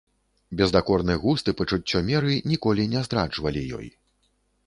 Бездакорны густ і пачуццё меры ніколі не здраджвалі ёй.